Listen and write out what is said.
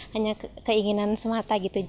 hanya keinginan semata gitu